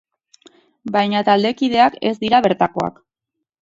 Baina taldekideak ez dira bertakoak.